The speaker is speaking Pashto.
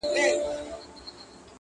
چي به ښكار د كوم يو سر خولې ته نژدې سو-